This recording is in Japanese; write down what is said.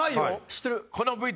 知ってる。